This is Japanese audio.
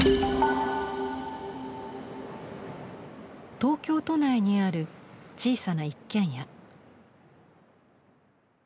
東京都内にある小さな一軒家。